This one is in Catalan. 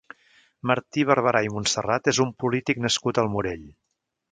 Martí Barberà i Montserrat és un polític nascut al Morell.